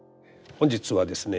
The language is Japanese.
本日はですね